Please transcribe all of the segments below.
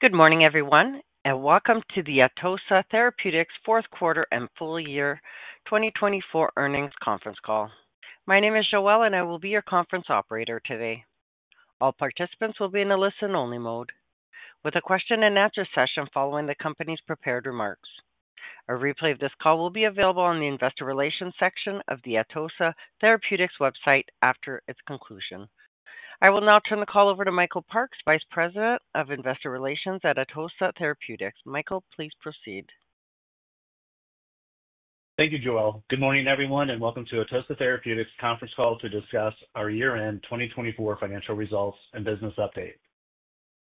Good morning, everyone, and welcome to the Atossa Therapeutics Fourth Quarter and Full Year 2024 Earnings Conference Call. My name is Joelle, and I will be your conference operator today. All participants will be in a listen-only mode with a question-and-answer session following the company's prepared remarks. A replay of this call will be available on the Investor Relations section of the Atossa Therapeutics website after its conclusion. I will now turn the call over to Michael Parks, Vice President of Investor Relations at Atossa Therapeutics. Michael, please proceed. Thank you, Joelle. Good morning, everyone, and welcome to Atossa Therapeutics' conference call to discuss our year-end 2024 financial results and business update.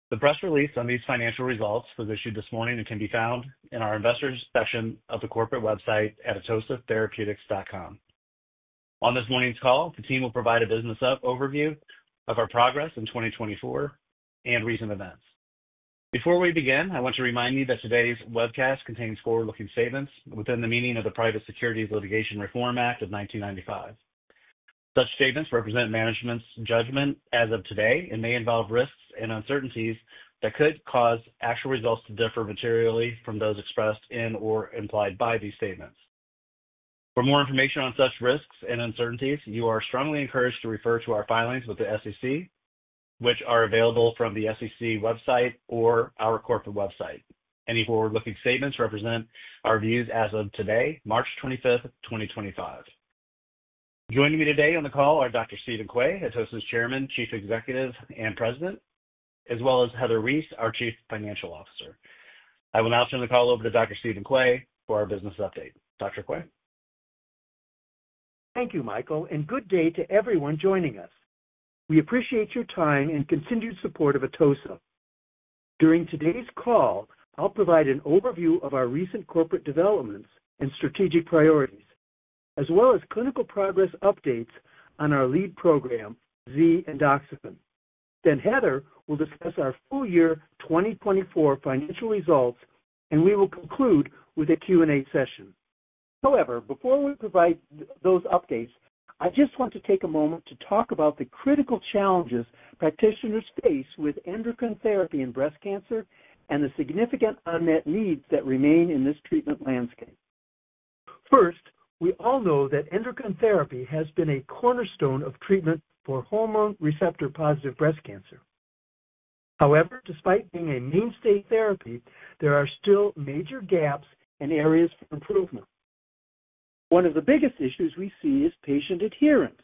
The press release on these financial results was issued this morning and can be found in our Investors section of the corporate website at atossatherapeutics.com. On this morning's call, the team will provide a business overview of our progress in 2024 and recent events. Before we begin, I want to remind you that today's webcast contains forward-looking statements within the meaning of the Private Securities Litigation Reform Act of 1995. Such statements represent management's judgment as of today and may involve risks and uncertainties that could cause actual results to differ materially from those expressed in or implied by these statements. For more information on such risks and uncertainties, you are strongly encouraged to refer to our filings with the SEC, which are available from the SEC website or our corporate website. Any forward-looking statements represent our views as of today, March 25th, 2025. Joining me today on the call are Dr. Steven Quay, Atossa's Chairman, Chief Executive, and President, as well as Heather Rees, our Chief Financial Officer. I will now turn the call over to Dr. Steven Quay for our business update. Dr. Quay? Thank you, Michael, and good day to everyone joining us. We appreciate your time and continued support of Atossa. During today's call, I'll provide an overview of our recent corporate developments and strategic priorities, as well as clinical progress updates on our lead program, Z-endoxifen. Then Heather will discuss our full year 2024 financial results, and we will conclude with a Q&A session. However, before we provide those updates, I just want to take a moment to talk about the critical challenges practitioners face with endocrine therapy in breast cancer and the significant unmet needs that remain in this treatment landscape. First, we all know that endocrine therapy has been a cornerstone of treatment for hormone receptor-positive breast cancer. However, despite being a mainstay therapy, there are still major gaps and areas for improvement. One of the biggest issues we see is patient adherence.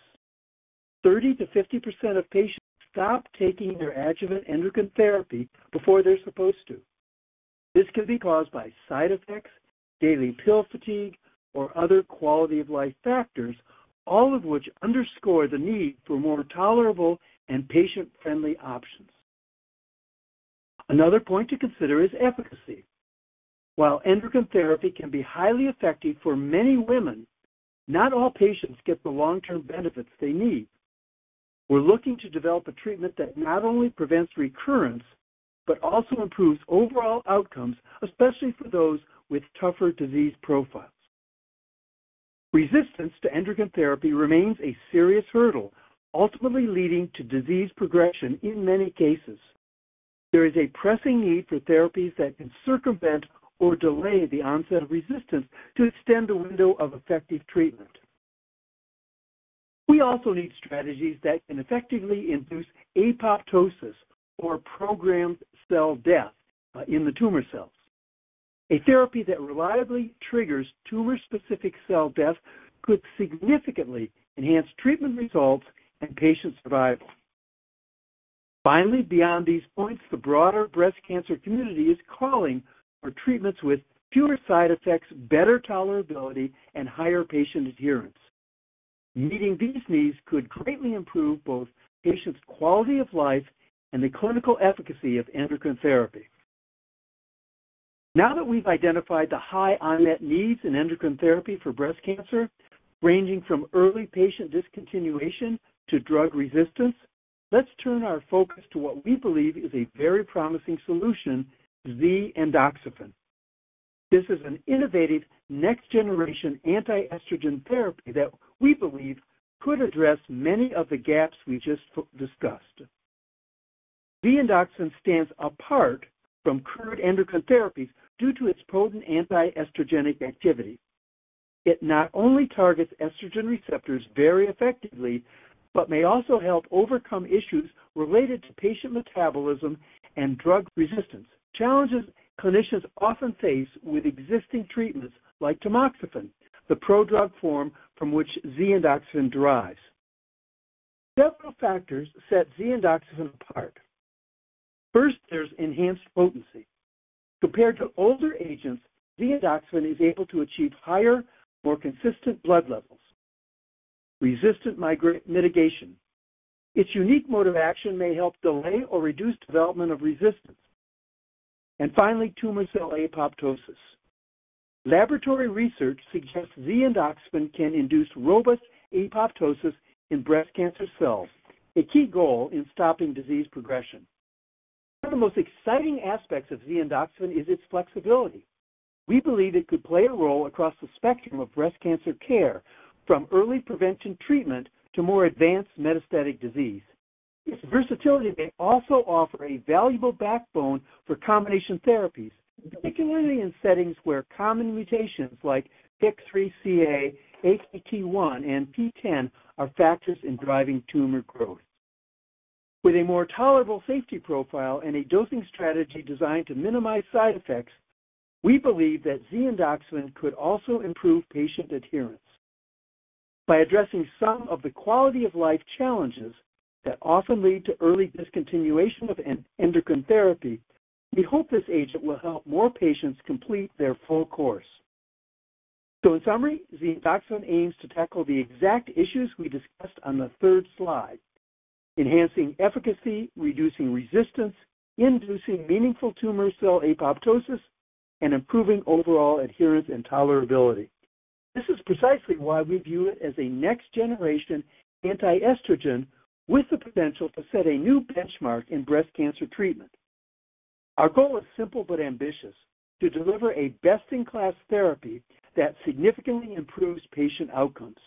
30%-50% of patients stop taking their adjuvant endocrine therapy before they're supposed to. This can be caused by side effects, daily pill fatigue, or other quality-of-life factors, all of which underscore the need for more tolerable and patient-friendly options. Another point to consider is efficacy. While endocrine therapy can be highly effective for many women, not all patients get the long-term benefits they need. We're looking to develop a treatment that not only prevents recurrence but also improves overall outcomes, especially for those with tougher disease profiles. Resistance to endocrine therapy remains a serious hurdle, ultimately leading to disease progression in many cases. There is a pressing need for therapies that can circumvent or delay the onset of resistance to extend the window of effective treatment. We also need strategies that can effectively induce apoptosis, or programmed cell death, in the tumor cells. A therapy that reliably triggers tumor-specific cell death could significantly enhance treatment results and patient survival. Finally, beyond these points, the broader breast cancer community is calling for treatments with fewer side effects, better tolerability, and higher patient adherence. Meeting these needs could greatly improve both patients' quality of life and the clinical efficacy of endocrine therapy. Now that we've identified the high unmet needs in endocrine therapy for breast cancer, ranging from early patient discontinuation to drug resistance, let's turn our focus to what we believe is a very promising solution, Z-endoxifen. This is an innovative next-generation anti-estrogen therapy that we believe could address many of the gaps we just discussed. Z-endoxifen stands apart from current endocrine therapies due to its potent anti-estrogenic activity. It not only targets estrogen receptors very effectively but may also help overcome issues related to patient metabolism and drug resistance. Challenges clinicians often face with existing treatments like tamoxifen, the pro-drug form from which Z-endoxifen derives. Several factors set Z-endoxifen apart. First, there's enhanced potency. Compared to older agents, Z-endoxifen is able to achieve higher, more consistent blood levels. Resistant mitigation. Its unique mode of action may help delay or reduce development of resistance. Finally, tumor cell apoptosis. Laboratory research suggests Z-endoxifen can induce robust apoptosis in breast cancer cells, a key goal in stopping disease progression. One of the most exciting aspects of Z-endoxifen is its flexibility. We believe it could play a role across the spectrum of breast cancer care, from early prevention treatment to more advanced metastatic disease. Its versatility may also offer a valuable backbone for combination therapies, particularly in settings where common mutations like PIK3CA, AKT1, and PTEN are factors in driving tumor growth. With a more tolerable safety profile and a dosing strategy designed to minimize side effects, we believe that Z-endoxifen could also improve patient adherence. By addressing some of the quality-of-life challenges that often lead to early discontinuation of endocrine therapy, we hope this agent will help more patients complete their full course. In summary, Z-endoxifen aims to tackle the exact issues we discussed on the third slide: enhancing efficacy, reducing resistance, inducing meaningful tumor cell apoptosis, and improving overall adherence and tolerability. This is precisely why we view it as a next-generation anti-estrogen with the potential to set a new benchmark in breast cancer treatment. Our goal is simple but ambitious: to deliver a best-in-class therapy that significantly improves patient outcomes.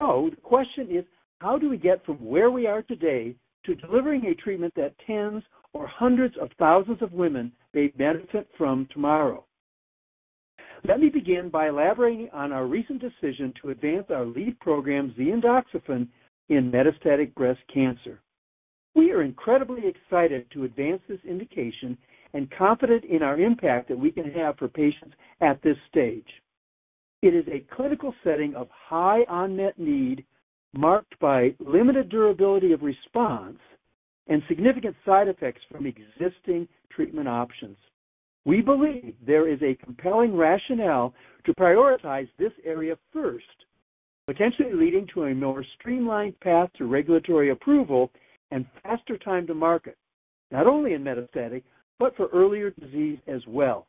The question is, how do we get from where we are today to delivering a treatment that tens or hundreds of thousands of women may benefit from tomorrow? Let me begin by elaborating on our recent decision to advance our lead program, Z-endoxifen, in metastatic breast cancer. We are incredibly excited to advance this indication and confident in our impact that we can have for patients at this stage. It is a clinical setting of high unmet need marked by limited durability of response and significant side effects from existing treatment options. We believe there is a compelling rationale to prioritize this area first, potentially leading to a more streamlined path to regulatory approval and faster time to market, not only in metastatic but for earlier disease as well.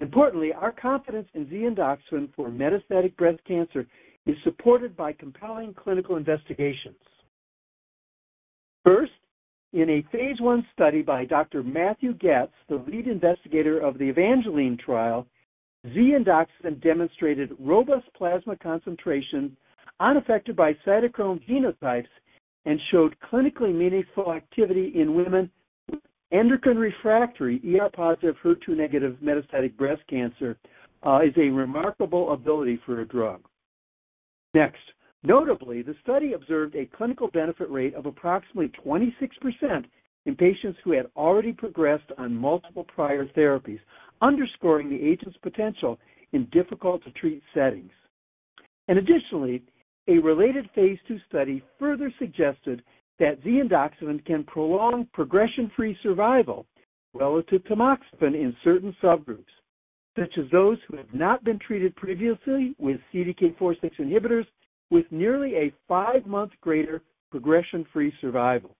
Importantly, our confidence in Z-endoxifen for metastatic breast cancer is supported by compelling clinical investigations. First, in a phase I study by Dr. Matthew Goetz, the lead investigator of the EVANGELINE trial, Z-endoxifen demonstrated robust plasma concentration unaffected by cytochrome phenotypes and showed clinically meaningful activity in women with endocrine refractory ER-positive, HER2-negative metastatic breast cancer. This is a remarkable ability for a drug. Next, notably, the study observed a clinical benefit rate of approximately 26% in patients who had already progressed on multiple prior therapies, underscoring the agent's potential in difficult-to-treat settings. Additionally, a related phase II study further suggested that Z-endoxifen can prolong progression-free survival relative to tamoxifen in certain subgroups, such as those who have not been treated previously with CDK4/6 inhibitors, with nearly a five-month greater progression-free survival.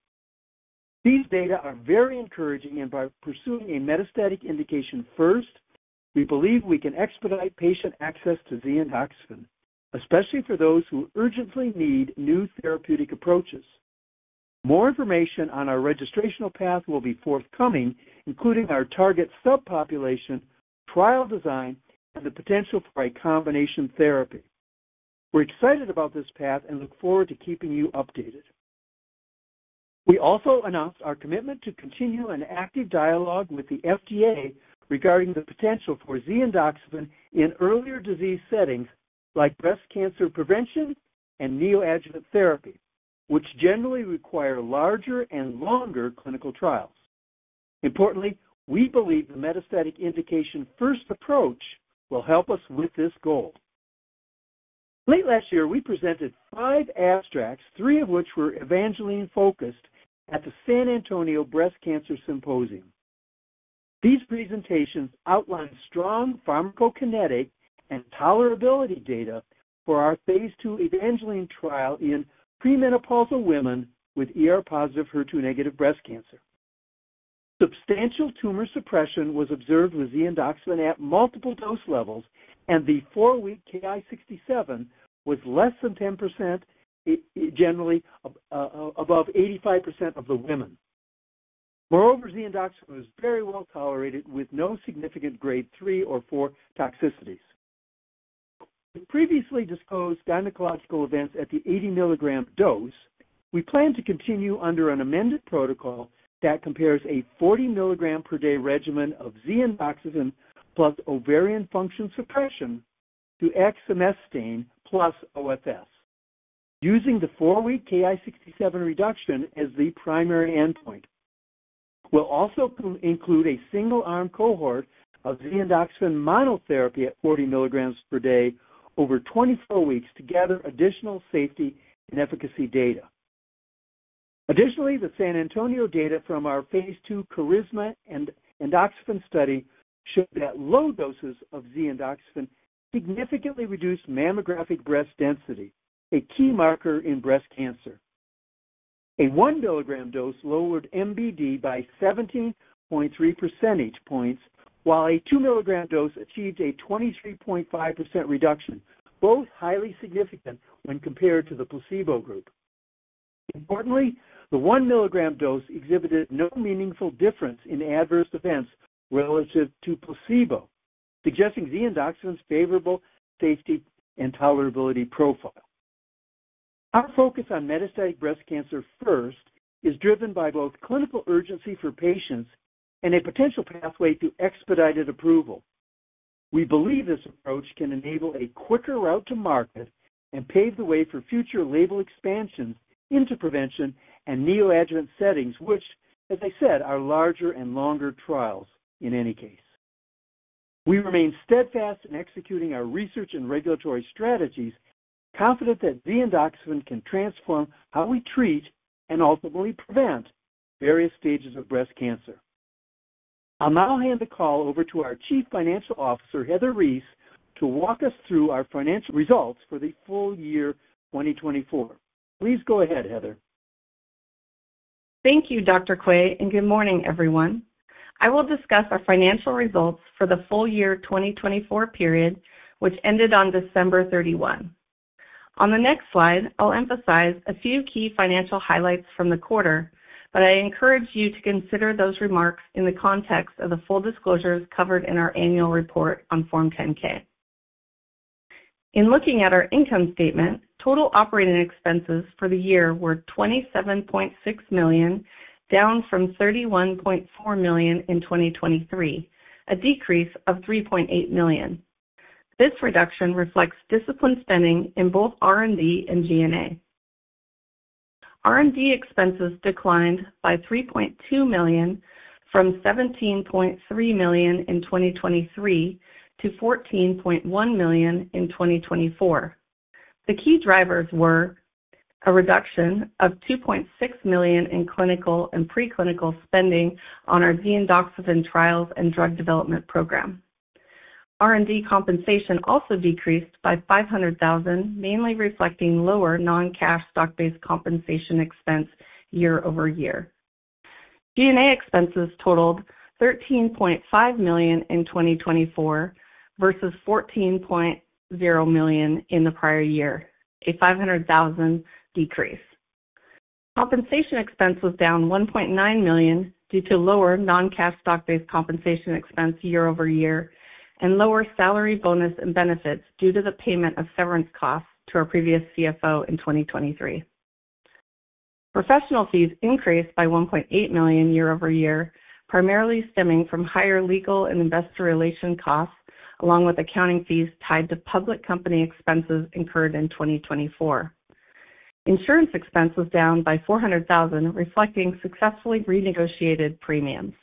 These data are very encouraging, and by pursuing a metastatic indication first, we believe we can expedite patient access to Z-endoxifen, especially for those who urgently need new therapeutic approaches. More information on our registrational path will be forthcoming, including our target subpopulation, trial design, and the potential for a combination therapy. We're excited about this path and look forward to keeping you updated. We also announced our commitment to continue an active dialogue with the FDA regarding the potential for Z-endoxifen in earlier disease settings like breast cancer prevention and neoadjuvant therapy, which generally require larger and longer clinical trials. Importantly, we believe the metastatic indication first approach will help us with this goal. Late last year, we presented five abstracts, three of which were EVANGELINE-focused, at the San Antonio Breast Cancer Symposium. These presentations outlined strong pharmacokinetic and tolerability data for our phase II EVANGELINE trial in premenopausal women with ER-positive, HER2-negative breast cancer. Substantial tumor suppression was observed with Z-endoxifen at multiple dose levels, and the four-week Ki-67 was less than 10%, generally above 85% of the women. Moreover, Z-endoxifen was very well tolerated with no significant grade 3 or 4 toxicities. With previously disclosed gynecological events at the 80 mg dose, we plan to continue under an amended protocol that compares a 40 mg per day regimen of Z-endoxifen plus ovarian function suppression to exemestane plus OFS, using the four-week Ki-67 reduction as the primary endpoint. We'll also include a single-arm cohort of Z-endoxifen monotherapy at 40 mg per day over 24 weeks to gather additional safety and efficacy data. Additionally, the San Antonio data from our phase II KARISMA endoxifen study showed that low doses of Z-endoxifen significantly reduced mammographic breast density, a key marker in breast cancer. A 1 mg dose lowered MBD by 17.3 percentage points, while a 2 mg dose achieved a 23.5% reduction, both highly significant when compared to the placebo group. Importantly, the 1 mg dose exhibited no meaningful difference in adverse events relative to placebo, suggesting Z-endoxifen's favorable safety and tolerability profile. Our focus on metastatic breast cancer first is driven by both clinical urgency for patients and a potential pathway to expedited approval. We believe this approach can enable a quicker route to market and pave the way for future label expansions into prevention and neoadjuvant settings, which, as I said, are larger and longer trials in any case. We remain steadfast in executing our research and regulatory strategies, confident that Z-endoxifen can transform how we treat and ultimately prevent various stages of breast cancer. I'll now hand the call over to our Chief Financial Officer, Heather Rees, to walk us through our financial results for the full year 2024. Please go ahead, Heather. Thank you, Dr. Quay, and good morning, everyone. I will discuss our financial results for the full year 2024 period, which ended on December 31. On the next slide, I'll emphasize a few key financial highlights from the quarter, but I encourage you to consider those remarks in the context of the full disclosures covered in our annual report on Form 10-K. In looking at our income statement, total operating expenses for the year were $27.6 million, down from $31.4 million in 2023, a decrease of $3.8 million. This reduction reflects disciplined spending in both R&D and G&A. R&D expenses declined by $3.2 million from $17.3 million in 2023 to $14.1 million in 2024. The key drivers were a reduction of $2.6 million in clinical and preclinical spending on our Z-endoxifen trials and drug development program. R&D compensation also decreased by $500,000, mainly reflecting lower non-cash stock-based compensation expense year over year. G&A expenses totaled $13.5 million in 2024 versus $14.0 million in the prior year, a $500,000 decrease. Compensation expense was down $1.9 million due to lower non-cash stock-based compensation expense year over year and lower salary, bonus, and benefits due to the payment of severance costs to our previous CFO in 2023. Professional fees increased by $1.8 million year over year, primarily stemming from higher legal and investor relation costs, along with accounting fees tied to public company expenses incurred in 2024. Insurance expense was down by $400,000, reflecting successfully renegotiated premiums.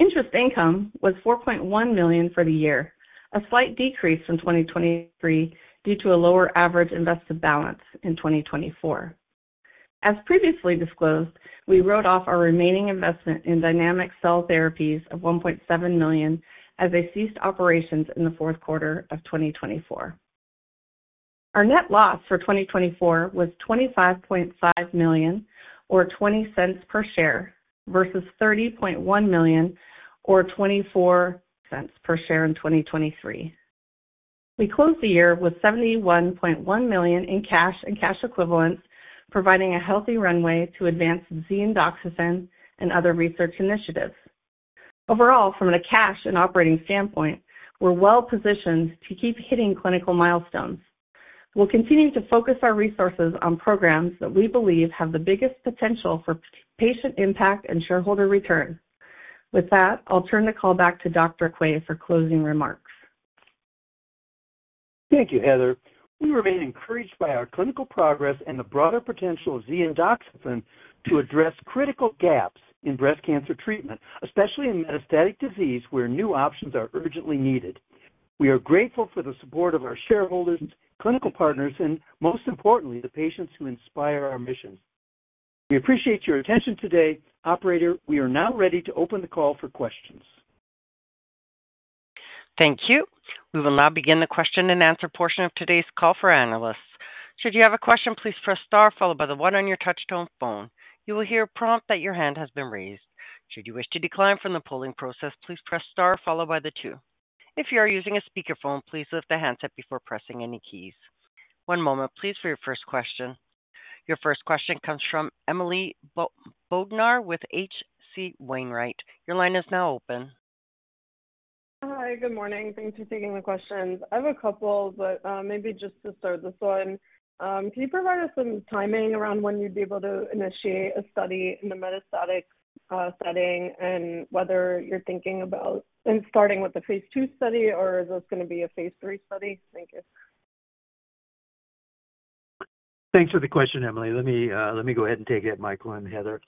Interest income was $4.1 million for the year, a slight decrease from 2023 due to a lower average invested balance in 2024. As previously disclosed, we wrote off our remaining investment in Dynamic Cell Therapies of $1.7 million as they ceased operations in the fourth quarter of 2024. Our net loss for 2024 was $25.5 million, or $0.20 per share, versus $30.1 million, or $0.24 per share in 2023. We closed the year with $71.1 million in cash and cash equivalents, providing a healthy runway to advance Z-endoxifen and other research initiatives. Overall, from a cash and operating standpoint, we're well positioned to keep hitting clinical milestones. We'll continue to focus our resources on programs that we believe have the biggest potential for patient impact and shareholder return. With that, I'll turn the call back to Dr. Quay for closing remarks. Thank you, Heather. We remain encouraged by our clinical progress and the broader potential of Z-endoxifen to address critical gaps in breast cancer treatment, especially in metastatic disease where new options are urgently needed. We are grateful for the support of our shareholders, clinical partners, and most importantly, the patients who inspire our mission. We appreciate your attention today. Operator, we are now ready to open the call for questions. Thank you. We will now begin the question and answer portion of today's call for analysts. Should you have a question, please press star followed by the one on your touchtone phone. You will hear a prompt that your hand has been raised. Should you wish to decline from the polling process, please press star followed by the two. If you are using a speakerphone, please lift the handset before pressing any keys. One moment, please, for your first question. Your first question comes from Emily Bodnar with HC Wainwright. Your line is now open. Hi, good morning. Thanks for taking the questions. I have a couple, but maybe just to start this one, can you provide us some timing around when you'd be able to initiate a study in the metastatic setting and whether you're thinking about starting with the phase II study, or is this going to be a phase III study? Thank you. Thanks for the question, Emily. Let me go ahead and take it, Michael and Heather.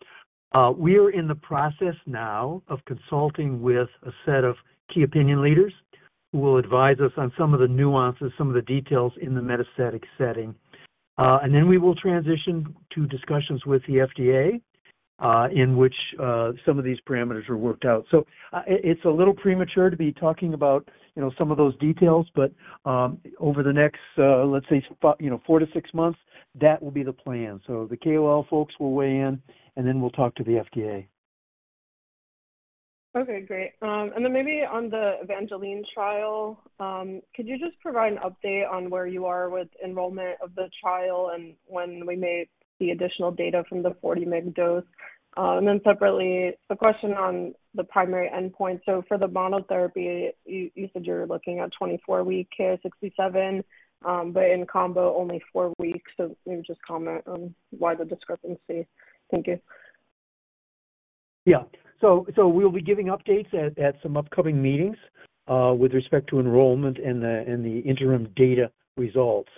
We are in the process now of consulting with a set of key opinion leaders who will advise us on some of the nuances, some of the details in the metastatic setting. We will transition to discussions with the FDA in which some of these parameters are worked out. It's a little premature to be talking about some of those details, but over the next, let's say, four to six months, that will be the plan. The KOL folks will weigh in, and then we'll talk to the FDA. Okay, great. Maybe on the EVANGELINE trial, could you just provide an update on where you are with enrollment of the trial and when we may see additional data from the 40 mg dose? Separately, a question on the primary endpoint. For the monotherapy, you said you're looking at 24-week Ki-67, but in combo, only four weeks. Maybe just comment on why the discrepancy. Thank you. Yeah. We'll be giving updates at some upcoming meetings with respect to enrollment and the interim data results.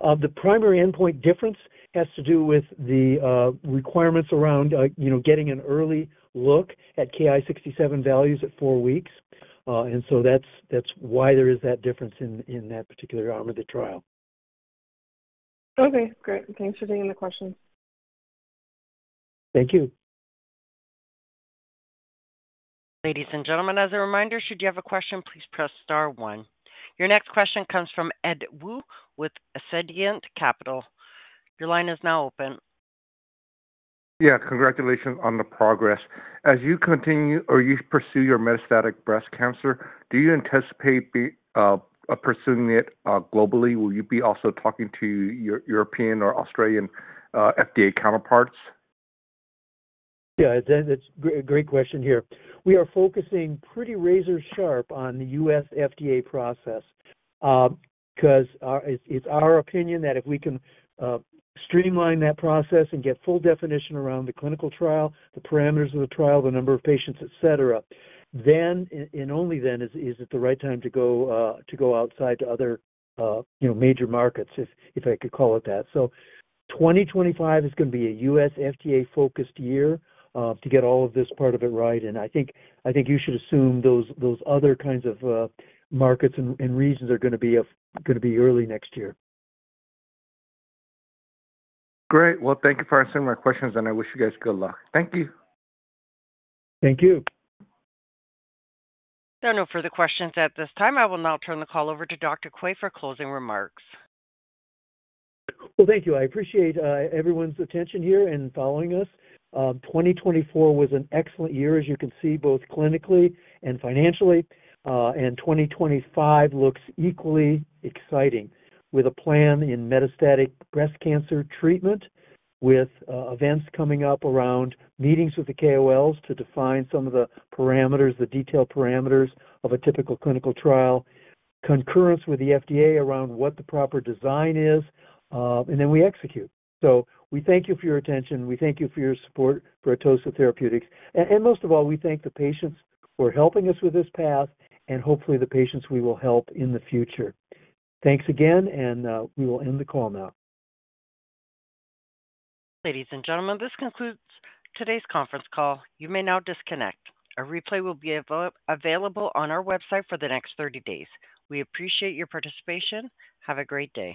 The primary endpoint difference has to do with the requirements around getting an early look at Ki-67 values at four weeks. That is why there is that difference in that particular arm of the trial. Okay, great. Thanks for taking the questions. Thank you. Ladies and gentlemen, as a reminder, should you have a question, please press star one. Your next question comes from Ed Woo with Ascendiant Capital. Your line is now open. Yeah, congratulations on the progress. As you continue or you pursue your metastatic breast cancer, do you anticipate pursuing it globally? Will you be also talking to European or Australian FDA counterparts? Yeah, that's a great question here. We are focusing pretty razor-sharp on the U.S. FDA process because it's our opinion that if we can streamline that process and get full definition around the clinical trial, the parameters of the trial, the number of patients, etc., then and only then is it the right time to go outside to other major markets, if I could call it that. 2025 is going to be a U.S. FDA-focused year to get all of this part of it right. I think you should assume those other kinds of markets and regions are going to be early next year. Great. Thank you for answering my questions, and I wish you guys good luck. Thank you. Thank you. There are no further questions at this time. I will now turn the call over to Dr. Quay for closing remarks. Thank you. I appreciate everyone's attention here and following us. 2024 was an excellent year, as you can see, both clinically and financially. 2025 looks equally exciting with a plan in metastatic breast cancer treatment, with events coming up around meetings with the KOLs to define some of the parameters, the detailed parameters of a typical clinical trial, concurrence with the FDA around what the proper design is, and then we execute. We thank you for your attention. We thank you for your support for Atossa Therapeutics. Most of all, we thank the patients who are helping us with this path, and hopefully, the patients we will help in the future. Thanks again, and we will end the call now. Ladies and gentlemen, this concludes today's conference call. You may now disconnect. A replay will be available on our website for the next 30 days. We appreciate your participation. Have a great day.